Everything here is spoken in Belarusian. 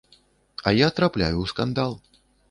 А я трапляю ў скандал.